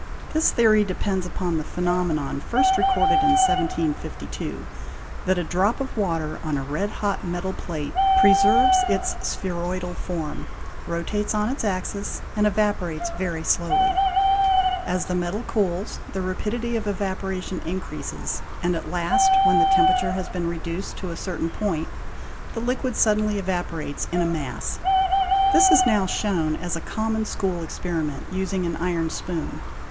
This theory depends upon the phe nomenon, first recorded in 1752, that a drop of water on a red hot metal plate preserves its spheroidal form, rotates on its axis, and evaporates very slowly ; as the metal cools, the rapidity of evaporation increases, and at last, when the temperature has been reduced to a certain point, the liquid suddenly evaporates in a mass. 'This is now shown as a common school experiment, using an iron spoon.